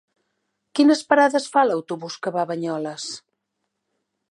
Quines parades fa l'autobús que va a Banyoles?